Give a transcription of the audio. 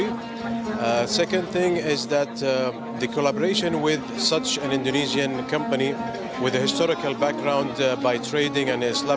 yang kedua kolaborasi dengan perusahaan indonesia dengan latar belakang dengan sejarah sejarah dan budaya islam